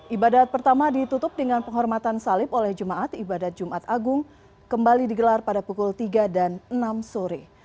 ibadat pertama ditutup dengan penghormatan salib oleh jemaat ibadat jumat agung kembali digelar pada pukul tiga dan enam sore